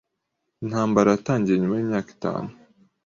Intambara yatangiye nyuma yimyaka itanu.